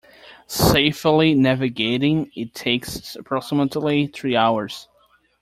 Safely navigating it takes approximately three hours.